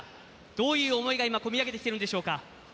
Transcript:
どういう思いが込み上げてきているんでしょうか。